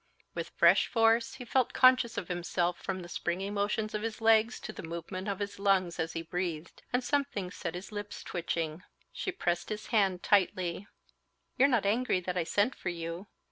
With fresh force, he felt conscious of himself from the springy motions of his legs to the movements of his lungs as he breathed, and something set his lips twitching. Joining him, she pressed his hand tightly. "You're not angry that I sent for you?